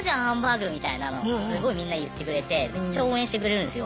すごいみんな言ってくれてめっちゃ応援してくれるんですよ。